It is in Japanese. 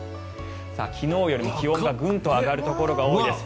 昨日よりも気温がグンと上がるところが多いです。